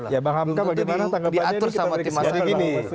ya bang hamka bagaimana tanggapannya